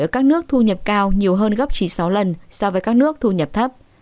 ở các nước thu nhập cao nhiều hơn gấp chín sáu lần so với các nước thu nhập thấp